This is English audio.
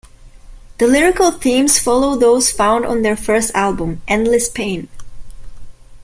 The lyrical themes follow those found on their first album "Endless Pain".